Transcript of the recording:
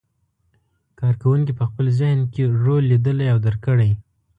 کار کوونکي په خپل ذهن کې رول لیدلی او درک کړی.